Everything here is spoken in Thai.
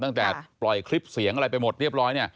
ตั้งแต่ปล่อยคลิปเสียงอะไรไปหมดเรียบร้อยเนี่ย